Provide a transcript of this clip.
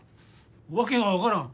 訳が分からん！